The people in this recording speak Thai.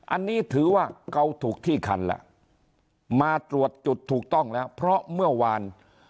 อันนี้ถือว่าเกาถูกที่คันแล้วมาตรวจจุดถูกต้องแล้วเพราะเมื่อวาน